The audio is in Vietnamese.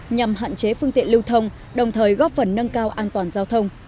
nhằm hạn chế phương tiện lưu thông đồng thời góp phần nâng cao an toàn giao thông